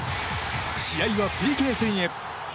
試合はＰＫ戦へ。